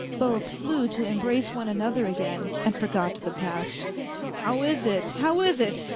Both flew to embrace one another again and forgot the past. " How is it how is it